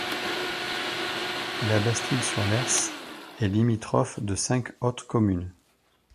La Bastide-sur-l'Hers est limitrophe de cinq autres communes.